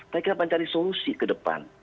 tapi kita mencari solusi ke depan